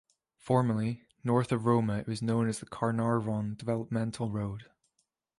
Formerly, north of Roma it was known as the Carnarvon Developmental Road.